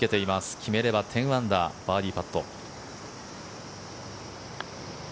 決めれば１０アンダーバーディーパット。